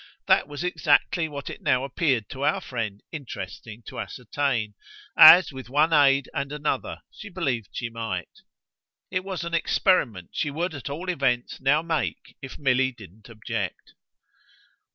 That was exactly what it now appeared to our friend interesting to ascertain, as, with one aid and another, she believed she might. It was an experiment she would at all events now make if Milly didn't object.